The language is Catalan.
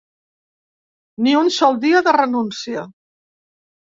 Ni un sol dia de renúncia.